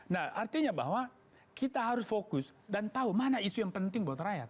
nah artinya bahwa kita harus fokus dan tahu mana isu yang penting buat rakyat